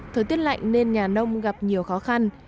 thời tiết lạnh nên nhà nông gặp nhiều khó khăn